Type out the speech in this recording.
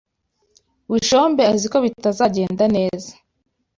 Bushombe azi ko bitazagenda neza.